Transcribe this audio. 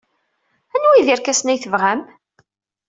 Anwi ay d irkasen ay tebɣam?